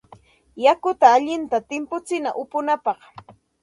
Yakuta allinta timputsina upunapaq.